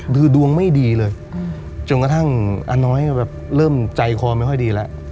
คือดวงไม่ดีเลยจนกระทั่งอาน้อยก็แบบเริ่มใจคอไม่ค่อยดีแล้ว